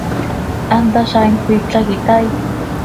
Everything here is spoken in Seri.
¿Hant hazaain cmiipla quih itaai?